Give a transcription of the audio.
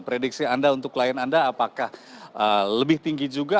prediksi anda untuk klien anda apakah lebih tinggi juga